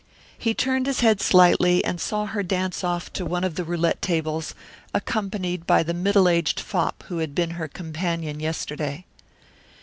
He turned his head slightly and saw her dance off to one of the roulette tables, accompanied by the middle aged fop who had been her companion yesterday.